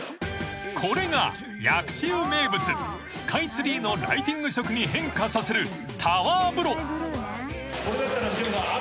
［これが薬師湯名物スカイツリーのライティング色に変化させるタワー風呂］